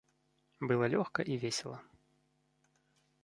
Было лёгка і весела.